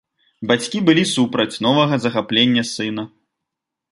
Бацькі былі супраць новага захаплення сына.